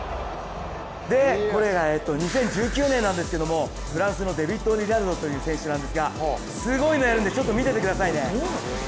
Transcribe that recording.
これが２０１９年ですけど、フランスのリナルドという選手なんですがすごいのやるんでちょっと見ててくださいね。